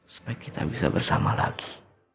supaya kita bisa bersama lagi